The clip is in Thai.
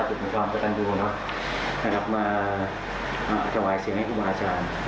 สุดท้ายสุดในความสะกัดดูมาถวายเสียงให้คุณบาอาจารย์